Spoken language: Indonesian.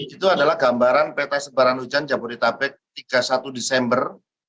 itu adalah gambaran peta sebaran hujan jabodetabek tiga puluh satu desember